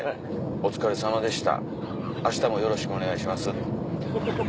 「お疲れさまでした！